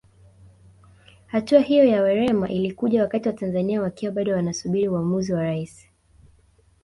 Hatua hiyo ya Werema ilikuja wakati Watanzania wakiwa bado wanasubiri uamuzi wa Rais